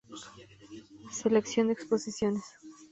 Selección de exposiciones